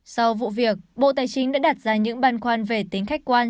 sau vụ việc bộ tài chính đã đặt ra những bàn khoan về tính khách quan